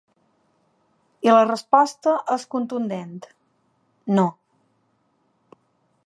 I la resposta és contundent: no.